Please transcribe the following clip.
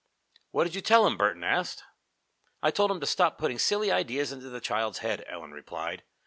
"What did you tell him?" Burton asked. "I told him to stop putting silly ideas into the child's head," Ellen replied.